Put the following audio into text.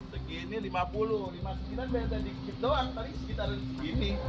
segini lima puluh lima sekitar sedikit doang tapi sekitar ini